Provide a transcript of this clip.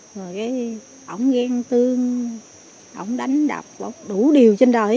rồi cái ổng ghen tương ổng đánh đập đủ điều trên đời